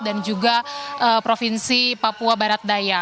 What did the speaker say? dan juga provinsi papua barat daya